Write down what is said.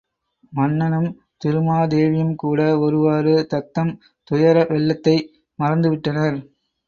மன்னனும் திருமாதேவியும்கூட ஒருவாறு தத்தம் துயர வெள்ளத்தை மறந்துவிட்டனர்.